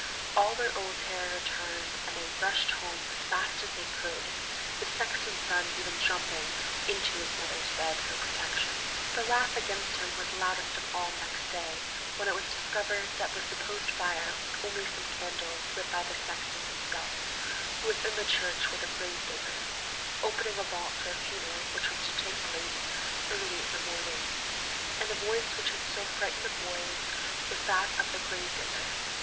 All their old terror returned, and they rushed home as fast as they could, the sexton's son even jumping into his mother's bed for protection. The laugh against him was loudest of all next day, when it was discovered that the supposed fire was only some candles lit by the sexton himself, who was in the church with the grave digger, opening a vault for a funeral which was to take place early in the morning; and the voice which had so frightened the boys was that of the grave digger.